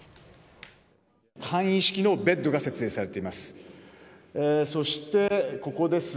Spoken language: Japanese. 簡易式のベッドが設営されています。